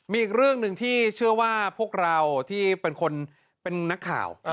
มีอีกเรื่องหนึ่งที่เชื่อว่าพวกเราที่เป็นคนเป็นนักข่าว